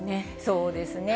そうですね。